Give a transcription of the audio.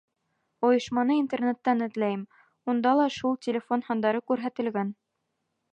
Ойошманы Интернеттан эҙләйем, унда ла шул телефон һандары күрһәтелгән.